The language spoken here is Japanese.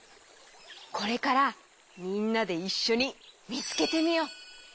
これからみんなでいっしょにみつけてみよう！